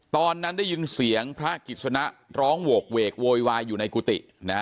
ตอนนั้นได้ยินเสียงพระกิจสนะร้องโหกเวกโวยวายอยู่ในกุฏินะฮะ